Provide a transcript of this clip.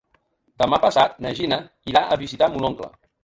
Demà passat na Gina irà a visitar mon oncle.